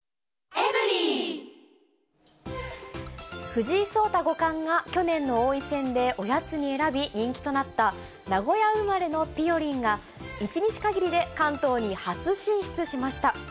藤井聡太五冠が去年の王位戦でおやつに選び人気となった、名古屋生まれのぴよりんが、１日限りで、関東に初進出しました。